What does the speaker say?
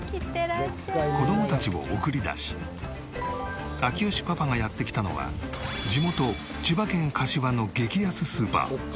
子どもたちを送り出し明慶パパがやって来たのは地元千葉県柏の激安スーパー。